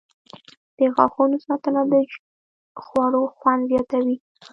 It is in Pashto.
• د غاښونو ساتنه د خوړو خوند زیاتوي.